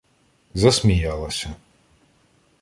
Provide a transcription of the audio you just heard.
Засміялася.